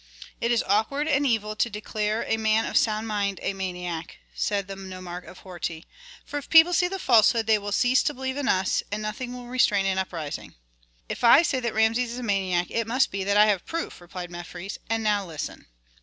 "It is awkward and evil to declare a man of sound mind a maniac," said the nomarch of Horti. "For if people see the falsehood they will cease to believe in us, and nothing will restrain an uprising." "If I say that Rameses is a maniac it must be that I have proof," replied Mefres. "And now listen."